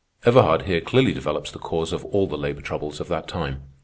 Everhard here clearly develops the cause of all the labor troubles of that time.